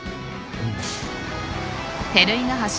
うん。